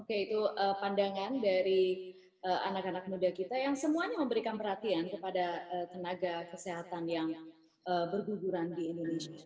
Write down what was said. oke itu pandangan dari anak anak muda kita yang semuanya memberikan perhatian kepada tenaga kesehatan yang berguguran di indonesia